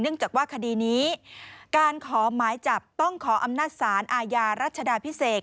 จากว่าคดีนี้การขอหมายจับต้องขออำนาจศาลอาญารัชดาพิเศษ